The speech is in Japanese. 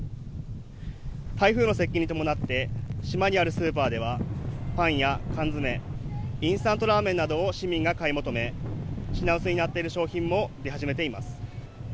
台風の接近に伴って島にあるスーパーではパンや缶詰インスタントラーメンなどを市民が買い求め品薄になっている商品も出始めています